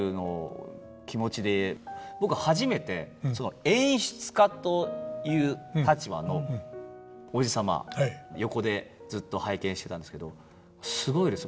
僕初めて演出家という立場のおじ様横でずっと拝見してたんですけどすごいです。